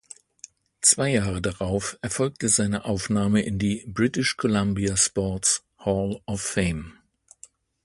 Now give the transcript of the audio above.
Zwei Jahre darauf erfolgte seine Aufnahme in die "British Columbia Sports Hall of Fame".